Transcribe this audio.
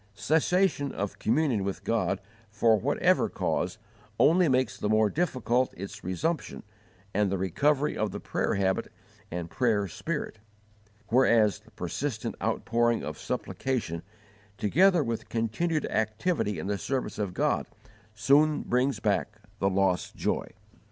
Cessation of communion with God, for whatever cause, only makes the more difficult its resumption and the recovery of the prayer habit and prayer spirit; whereas the persistent outpouring of supplication, together with continued activity in the service of God, soon brings back the lost joy.